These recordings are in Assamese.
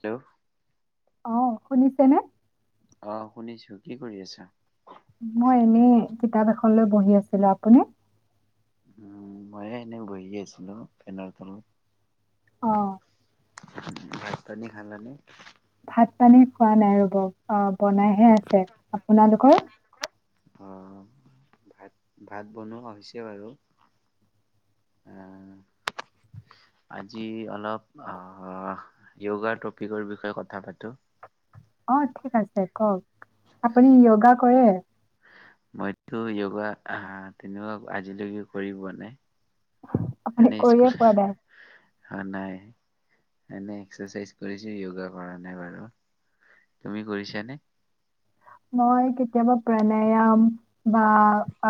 তেওঁ অ শুনিছে নে অ শুনিছো কি কৰি আছা মই এনে কিতাপ এখন লৈ বহি আছিলো আপুনি উম ময়ে এনে বহি আছিলো ফেনৰ তলত অ ভাত পানী খালা নে ভাত পানী খোৱা নাই ৰব অ বনাইহে আছে আপোনালোকৰ। আহ ভাত ভাত বনোৱা হৈছে বাৰু আহ আজি অলপ আহ য়োগাৰ টপিকৰ বিষয়ে কথা পাতো অ ঠিক আছে কওক আপুনি য়োগা কৰে। মইতো য়োগা আহ তেনেকুৱা আজিলৈকে কৰি পোৱা নাই। আপুনি কৰিয়ে পোৱা নাই। অ নাই এনে এক্সেচাইজ কৰিছো য়োগা কৰা নাই বাৰু তুমি কৰিছানে। মই কেতিয়াবা প্ৰাণায়াম বা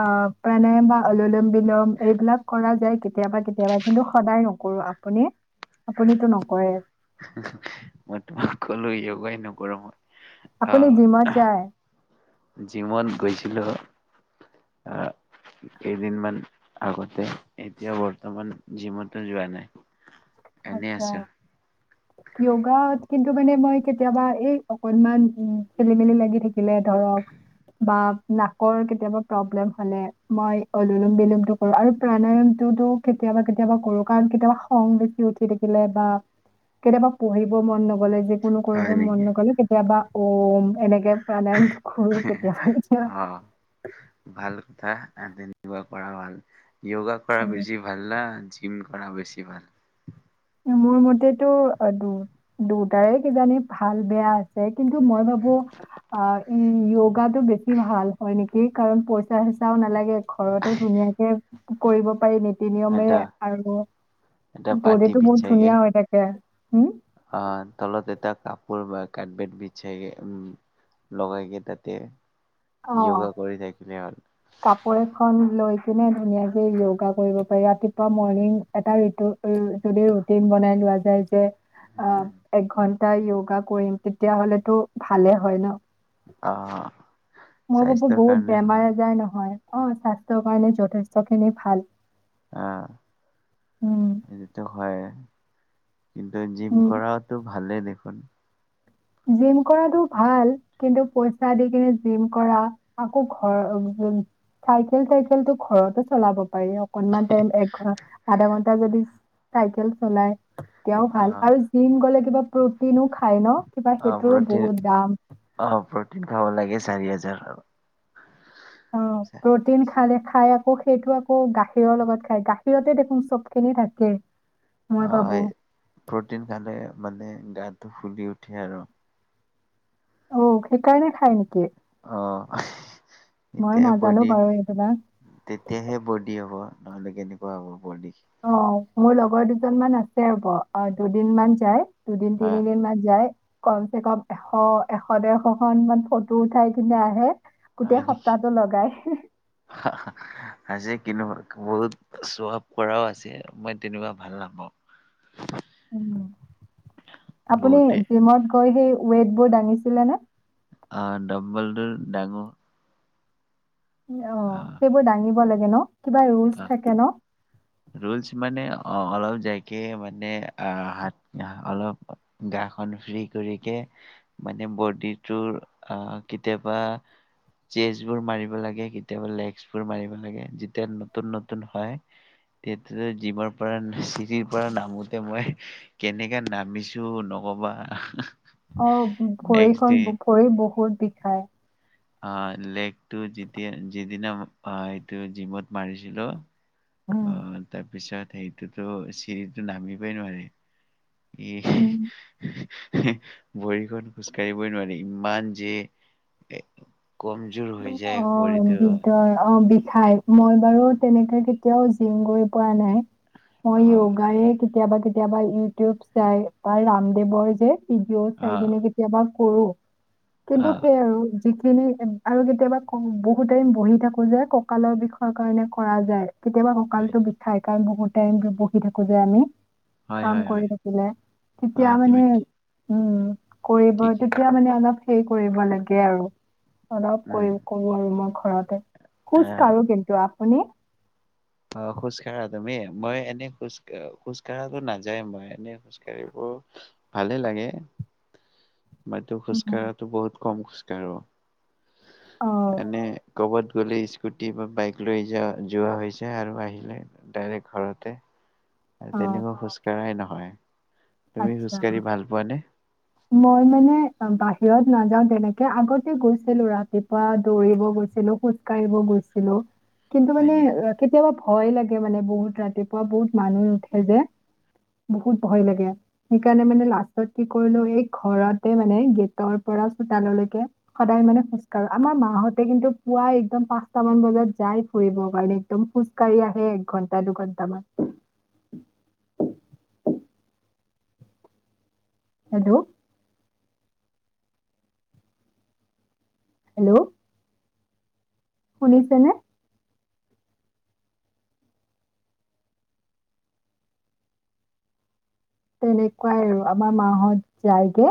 অ প্ৰণায়াম বা অললম বিলম এইবিলাক কৰা যায়। কেতিয়াবা কেতিয়াবা কিন্তু সদায় নকৰো আপুনি আপুনিতো নকৰে মই তোমাক কলো যোগাই নকৰো মই আপুনি আহ জিমত যায়। জিমত গৈছিলো আহ কেইদিনমান আগতে এতিয়া বৰ্তমান জিমতো যোৱা নাই। এনেই আত্ছা আছো। য়োগাত। কিন্তু মানে মই কেতিয়াবা এই অকনমান উ খেলি মেলি লাগি থাকিলে ধৰক বাম। নাকৰ কেতিয়াবা প্ৰব্লেম হ'লে মই অলুলুম বিলোমতটো কৰোঁ। আৰু প্ৰাণায়ামটোতো কেতিয়াবা কেতিয়াবা কৰোঁ কাৰণ কেতিয়াবা খং। উঠি থাকিলে বা কেতিয়াবা পঢ়িব মন নগলে যে। কোনো কৰিব হয় মন নেকি? নগলে কেতিয়াবা অ এনেকে। প্ৰনায়মটো কৰোঁ কেতিয়াবা। ভাল কথা অ তেনেকুৱা কৰা ভাল যয়োগা কৰা বেছি ভাল না আজ জিম কৰা বেছি ভাল। মোৰ মতেতো দুটাৰে কিজানি ভাল বেয়া আছে কিন্তু মই ভাবোঁ অ ই কৰাতো বেছি ভাল হয় নেকি? কি কাৰণ পইচা চইচাও নালাগে। ঘৰতে ধুনীয়াকে। কৰিব পাৰি নেকি? নীতি এটা নিয়মেৰে আৰু এটা পাতি [unintelligible] বিছাইগে ধুনীয়া হৈ থাকে উম অ তলত এটা কাপোৰ বা কাৰবেট বিছাই উম লগাই গে তাতে অ, য়গা কৰি থাক [unintelligible] কাপোৰ এখন লৈকিনি ধুনীয়াকে য়গা কৰিব পাৰি ৰাতিপুৱা মৰ্ণিং এটা যদি ৰুটিন বনাই লোৱা যায়। যে অ একঘণ্টা এ য়গা কৰিম তেতিয়া হ'লেতো ভালে হয় ন। অ মই ভাবোঁ স্বাস্থ্যৰ বহুত কাৰণে বেমাৰ হয়। আজাৰ নহয়। অ স্বাস্থ্যৰ কাৰণে যথেষ্টখিনি ভাল আহ উম। এইটো হয়ে কিন্তু জিম উম, কৰাওটো ভাল। ভালেই দেখোন জিম কৰাটোও ভাল কিন্তু পইচা দি কিনে। পাৰি অকণ মান টাইম এক আধাঘণ্টা যদি চাইকেল। চলাই তেওঁ অ ভাল ভাল জিম গ'লে কিবা প্ৰটিন খাই ন। কিবা অ, সেইটোৰো প্ৰটিন বহুত দাম। অ প্ৰটিন খাব লাগে। লাগে চাৰি হাজাৰ আৰু। অ, প্ৰ'টিন খালে। খাই আকৌ সেইটো আকৌ গাখীৰৰ লগত খাই গাখীৰতে দেখোন চব খিনি থাকে। মই ভাবো হয় প্ৰ'টিন খালে মানে। গাটো ফুলি উঠে আৰু অ, সেইকাৰণে খাই নেকি? অঁ। মই এতিয়া নাজানো বডি বাৰু এইবিলাক। তেতিয়াহে বডি হ'ব। নহলে কেনেকুৱা হ'ব বৰদি। অ, মোৰ লগৰ দুজন মান আছে ক, অ দুদিন মান যায়। দুদিন হয় তিনিদিন মান যায়। কম চে কম এশ এশ দেৰশ খন মান ফটো উঠাই কিনে আহে। গোটেই হয় নেকি সপ্তাহটো লগাই। আজি কিনো হ'ল বহুত। চহাব কৰাও আছে মই তেনেকুৱা ভাল নাপাওঁ। উম আপুনি বহুতে জিমত গৈ গে। ৱেইট বোৰ দাঙিছিলে ন? অ, ড্বম্বলটো দাঙো। অ আহ সেইবোৰ দাঙিব লাগ। শুন। [unintelligible] কিবা ৰোলছ আহ থাকে ন। ৰুলচ মানে অ অলপ যাইকে মানে আহ হাত অলপ গাখন ফ্ৰী কৰিকে মানে বডিটোৰ আহ কেতিয়াবা চেচ বোৰ মাৰিব লাগে কেতিয়াবা লেগছ বোৰ মাৰিব লাগে যেতিয়া ন। নতুন নতুন হয় তেতিয়া জিমৰ পৰা চিৰিৰ পৰা নামোতে মই কেনেকে নামিছো নকবা। অ নেক্সট ভৰিখন ডে ভৰি বহুত বিষাই। অহ, লেগটো যেতিয়া যিদিনা এইটো জিমত মাৰিছিলো। উম, অ তাৰপিছত। সেইটোত চিৰিটো নামিবই নোৱাৰে। উম। য়েহ। ভৰিখন খোজ কাঢ়িবই নোৱাৰে ইমান যে। কমজোৰ হৈ অ যায় ভৰিটো বিদ অ বিষ [unintelligible] ঠাইত মই বাৰু তেনেকে কেতিয়াও জিম গৈ পোৱা নাই। মই য়োগাই কেতিয়াবা কেতিয়াবা। কেতিয়াবা ইউটিউব চাই বা ৰামদেৱৰ যে। ভিডিঅ অ চাই কিনে কেতিয়াবা। কৰোঁ। কিন্তু অ সেয়া আৰু। [unintelligible] আৰু কেতিয়াবা কম, বহু টাইম বহি থাকো যে, কঁকালৰ বিষৰ কাৰণে কৰা যায়। কেতিয়াবা হয় কঁকালটো বিষায়। কাৰণ বহুত টাইম বহি থাকো যে আমি। হয় কাম হয় কৰি হয় থাকিলে, তেতিয়া অ মানে। তুমি ঠি- উম। কৰিব, ঠিকেই ক তেতিয়া মানে অলপ। সেই কৰিব লাগে আৰু। অলপ উম কৰি কৰো আৰু মই ঘৰতে। খোজ আহ কাঢ়ো কিন্তু। কোনে অ' খোজ কাঢ়া তুমি? মই এনেই খোজকাঢ়-খোজকাঢ়াটো নাযায় মই, এনে খোজকাঢ়িব ভালে লাগে। মইতো উম। খোজকঢ়াটো বহুত কম খোজকাঢ়ো। অ', এনে ক'বাত [unintelligible] স্কুটি বা বাইক লৈ য-যোৱা হৈছে। আৰু আহিলে, ডাইৰেক্ট ঘৰতে। আৰু অ', তেনেকুৱা খোজকঢ়াই নহয়। হয়। আচ্ছা। মই মানে বাহ হিৰত নাযাও তেনেকে, আগতে গৈছিলো ৰাতিপুৱা দৌৰিব গৈছিলো, খোজ কাঢ়িব গৈছিলো। কিন্তু হয় মানে, নেকি কেতিয়াবা ভয় লাগে। মানে বহুত ৰাতিপুৱা বহুত মানুহ উঠে যে, বহুত ভয় লাগে। সেইকাৰণে মানে লাষ্টত কি কৰিলো, এই ঘৰতে মানে গেটৰ পৰা চোতাললৈকে সদায় মানে খোজ কাঢ়ো। আমাৰ মাহঁতে কিন্তু পুৱাই একদম পাঁচটামান বজাত যায় ফুৰিবৰ কাৰণে। একদম খোজ কাঢ়ি আহে একঘন্টা-দুঘন্টামান। হেল্ল'। হেল্ল'। শুনিছে নে? তেনেকুৱাই আৰু, আমাৰ মাহঁত যায়গে।